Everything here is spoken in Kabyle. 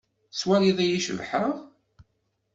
Tettwaliḍ-iyi cebḥeɣ?